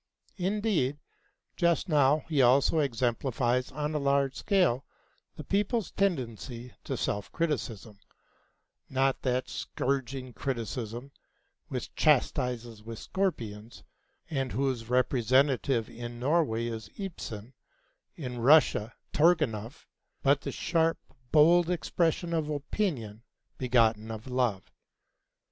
Indeed, just now he also exemplifies on a large scale the people's tendency to self criticism; not that scourging criticism which chastises with scorpions, and whose representative in Norway is Ibsen, in Russia Turgénieff, but the sharp bold expression of opinion begotten of love.